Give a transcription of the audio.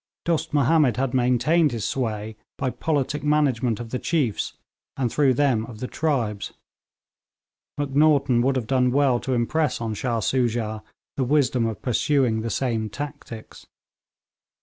Dost Mahomed had maintained his sway by politic management of the chiefs, and through them of the tribes. Macnaghten would have done well to impress on Shah Soojah the wisdom of pursuing the same tactics.